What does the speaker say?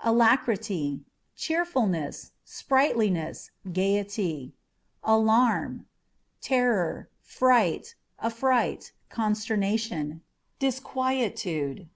Alacrity â€" cheerfulness, sprightliness, gaiety. Alarm â€" terror, fright, affright, consternation, disquietude.